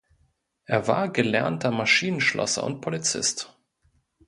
Er war gelernter Maschinenschlosser und Polizist.